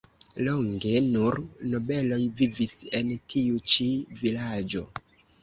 Longe nur nobeloj vivis en tiu ĉi vilaĝo.